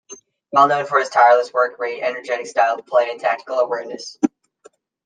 Well known for his tireless work-rate, energetic style of play, and tactical awareness.